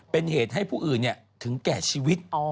เป็นเหตุให้ผู้อื่นถึงแก่ชีวิต